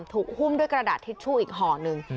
หุ้มด้วยกระดาษทิชชู่อีกห่อหนึ่ง